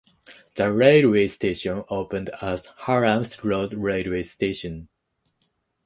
The railway station opened as Hallam's Road Railway Station.